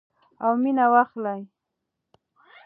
او مینه واخلئ.